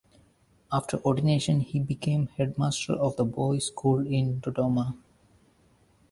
After ordination he became headmaster of the Boys School in Dodoma.